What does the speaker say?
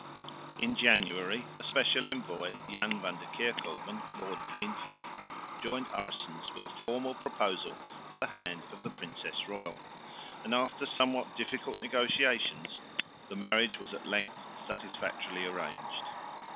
In January a special envoy, Jan van der Kerkoven, lord of Heenvlict, joined Aerssens with a formal proposal for the hand of the princess royal; and after somewhat difficult negotiations the marriage was at length satisfactorily arranged.